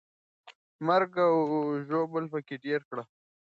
مرګ او ژوبله پکې ډېره کړه.